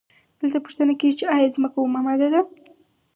دلته پوښتنه کیږي چې ایا ځمکه اومه ماده ده؟